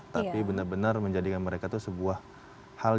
tapi benar benar menjadikan mereka itu sebuah hal